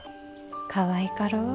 かわいかろう。